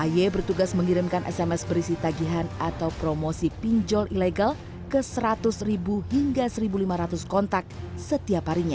aye bertugas mengirimkan sms berisi tagihan atau promosi pinjol ilegal ke seratus ribu hingga satu lima ratus kontak setiap harinya